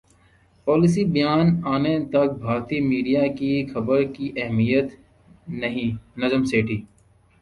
policy بیان انے تک بھارتی میڈیا کی خبر کی اہمیت نہیںنجم سیٹھی